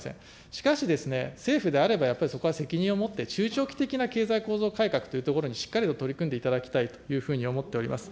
しかしですね、政府であれば、やっぱりそこは責任を持って、中長期的な経済構造改革というところにしっかりと取り組んでいただきたいというふうに思っております。